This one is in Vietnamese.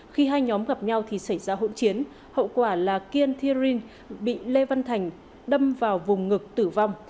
khi hai nhóm gặp nhau thì xảy ra hỗn chiến hậu quả là kiên thiên bị lê văn thành đâm vào vùng ngực tử vong